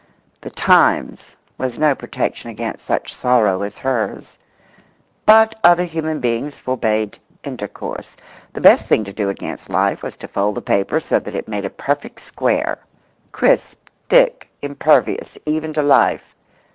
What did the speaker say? The Times was no protection against such sorrow as hers. But other human beings forbade intercourse. The best thing to do against life was to fold the paper so that it made a perfect square, crisp, thick, impervious even to life.